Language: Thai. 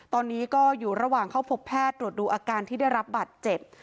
ตอนนี้ก็อยู่ระหว่างเข้าพบแพทย์ตรวจดูอาการที่ได้รับบาดเจ็บ